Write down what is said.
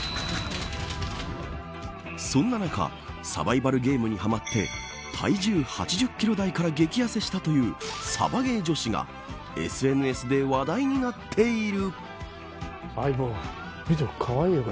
そんな中サバイバルゲームにはまって体重８０キロ台から激痩せしたというサバゲー女子がＳＮＳで話題になっている。